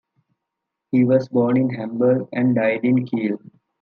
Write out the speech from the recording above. He was born in Hamburg and died in Kiel.